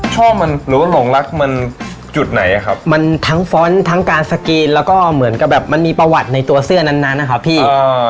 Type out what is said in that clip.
ชอบมันหนูหลงรักมันจุดไหนอะครับมันทั้งฟ้อนต์ทั้งการสกรีนแล้วก็เหมือนกับแบบมันมีประวัติในตัวเสื้อนั้นนะครับพี่